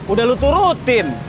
udah lu turutin